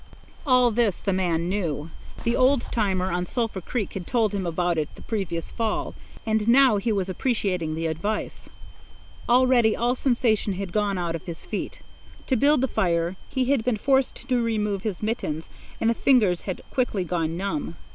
All this the man knew. The old timer on Sulphur Creek had told him about it the previous fall, and now he was appreciating the advice. Already all sensation had gone out of his feet. To build the fire he had been forced to remove his mittens, and the fingers had quickly gone numb.